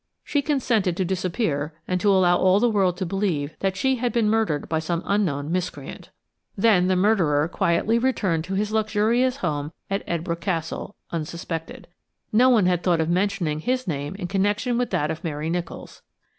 She consented to disappear and to allow all the world to believe that she had been murdered by some unknown miscreant. Then the murderer quietly returned to his luxurious home at Edbrooke Castle, unsuspected. No one had thought of mentioning his name in connection with that of Mary Nicholls.